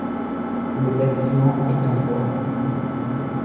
Le bâtiment est en bois.